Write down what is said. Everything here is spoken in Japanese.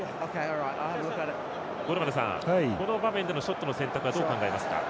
この場面でのショットの選択はどう考えますか？